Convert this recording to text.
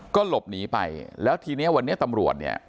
ก็หลบหนีไปแล้วทีเนี้ยวันนี้ตำรวจเนี่ย